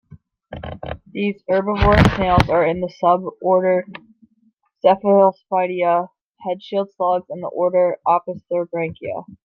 These herbivorous snails are in the suborder Cephalaspidea, headshield slugs, and the order Opisthobranchia.